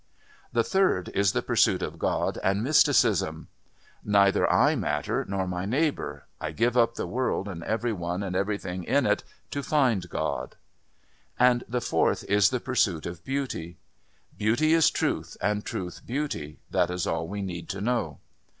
The third is the pursuit of God and Mysticism. 'Neither I matter nor my neighbour. I give up the world and every one and everything in it to find God.' And the fourth is the pursuit of Beauty. 'Beauty is Truth and Truth Beauty. That is all we need to know.'